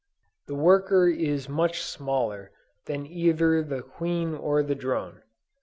The worker is much smaller than either the queen or the drone.